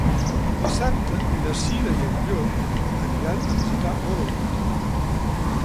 Dissabte na Cira i en Llop aniran a visitar mon oncle.